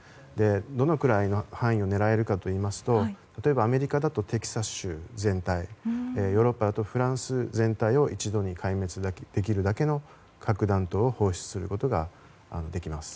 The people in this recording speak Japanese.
どのくらいの範囲を狙えるかといいますと例えば、アメリカだとテキサス州全体ヨーロッパだとフランス全体を一度に壊滅できるだけの核弾頭を放出することができます。